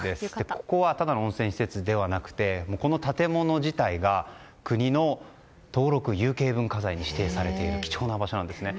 ここはただの温泉施設ではなくてこの建物自体が国の登録有形文化財に指定されている貴重な場所なんですね。